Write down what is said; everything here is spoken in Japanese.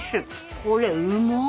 これうまっ。